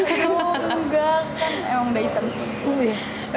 oh enggak kan emang udah hitam sih